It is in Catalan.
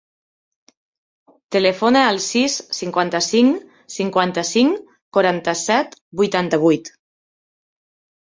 Telefona al sis, cinquanta-cinc, cinquanta-cinc, quaranta-set, vuitanta-vuit.